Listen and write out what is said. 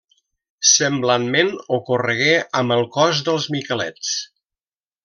Semblantment ocorregué amb el cos dels miquelets.